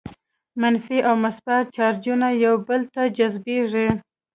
منفي او مثبت چارجونه یو بل ته جذبیږي.